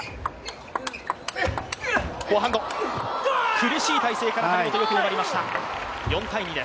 苦しい体勢から、張本よく粘りました。